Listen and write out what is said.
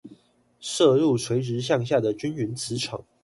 射入垂直向下的均勻磁場